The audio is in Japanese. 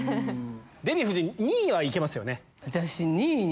デヴィ夫人２位は行けますよね？